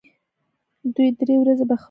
دوه درې ورځې به ښه و.